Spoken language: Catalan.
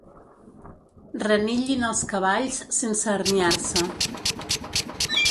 Renillin els cavalls sense herniar-se.